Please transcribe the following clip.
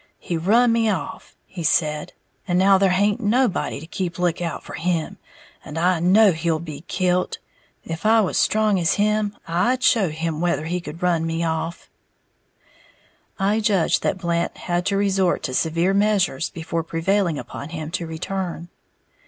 "He run me off," he said; "and now there haint nobody to keep lookout for him, and I know he'll be kilt! If I was strong as him, I'd show him whether he could run me off!" (I judge that Blant had to resort to severe measures before prevailing upon him to return.)